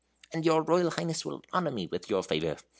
"And your Royal Highness will honor me with your favor?